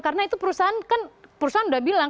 karena itu perusahaan kan perusahaan udah bilang